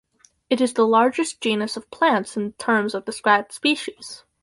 It is the largest genus of plants in terms of described species.